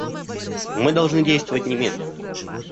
Мы должны действовать немедленно.